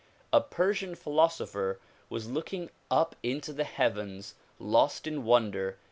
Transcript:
A Persian philosopher was looking up into the heavens, lost in wonder.